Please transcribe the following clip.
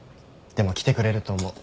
でも来てくれると思う。